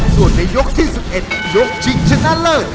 ส่วนในยกที่๑๑ยกชิงชนะเลิศ